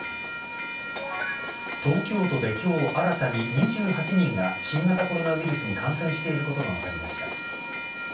東京都で今日新たに２８人が新型コロナウイルスに感染していることが分かりました。